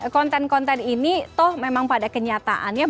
konten konten ini toh memang pada kenyataannya